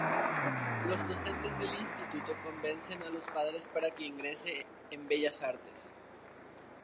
Los docentes del instituto convencen a los padres para que ingrese en Bellas Artes.